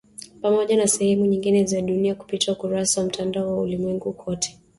Pamoja na sehemu nyingine za dunia kupitia ukurasa wa Mtandao wa Ulimwenguni Kote